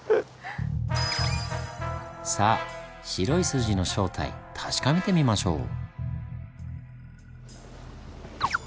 さあ白い筋の正体確かめてみましょう。